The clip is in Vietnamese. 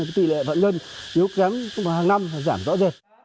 thì tỷ lệ phạm nhân nếu giám hàng năm giảm rõ rệt